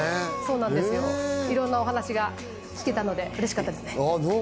いろんなお話を聞けたので、うれしかったです。